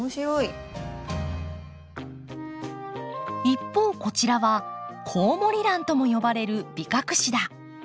一方こちらはコウモリランとも呼ばれるビカクシダ。